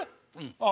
ああ